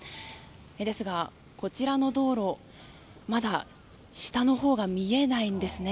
ですが、こちらの道路まだ下のほうが見えないんですね。